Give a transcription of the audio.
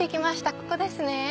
ここですね。